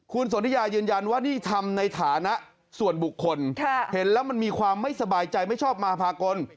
คุณสนทิยายืนยันว่านี่ทำในฐานะส่วนบุคคลเห็นแล้วมันมีความไม่สบายใจไม่ชอบมาพากล